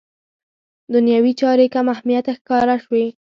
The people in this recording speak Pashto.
دنیوي چارې کم اهمیته ښکاره شي.